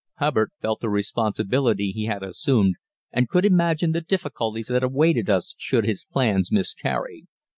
Hubbard felt the responsibility he had assumed, and could imagine the difficulties that awaited us should his plans miscarry.